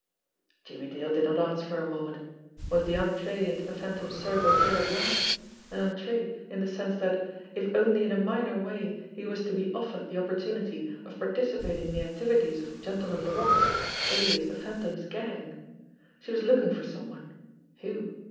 Jimmie Dale did not answer for a moment. Was the entree into the Phantom's circle here at last, an entree in the BEHIND DOORS OF THE UNDERWORLD 163 sense that, if only in a minor way, he was to be offered the opportunity of participating in the activities of Gentleman Laroque's, alias the Phantom's, gang? She was looking for some one. Who